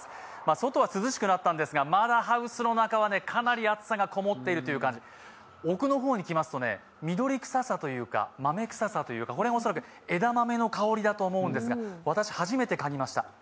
外は涼しくなったんですが、まだハウスの中はかなり暑さがこもっているというか、奥の方に行きますと緑くささというか、豆くささというかこれは恐らく枝豆の香りだと思うんですが、私、初めてかぎました。